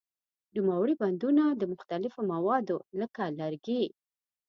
نوموړي بندونه د مختلفو موادو لکه لرګي.